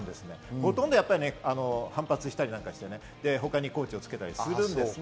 ほとんど反発したりして、他にコーチをつけたりするんです。